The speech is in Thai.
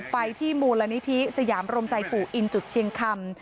ไปที่มูลนิธิสยามรมใจปู่อินจุดเชียงคำ